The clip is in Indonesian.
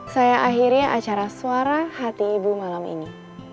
saya akhiri acara suara hati ibu malam ini